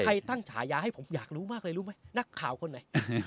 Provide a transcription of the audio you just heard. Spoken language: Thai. ตั้งฉายาให้ผมอยากรู้มากเลยรู้ไหมนักข่าวคนไหน